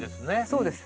そうです。